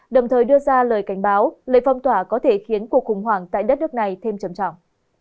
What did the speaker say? đồng thời đưa ra lời cảnh báo lệnh phong tỏa có thể khiến cuộc khủng hoảng tại đất nước này thêm trầm trọng